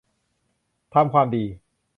ทำความดี